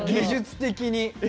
技術的に。